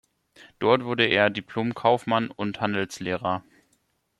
Dort wurde er Diplomkaufmann und -handelslehrer.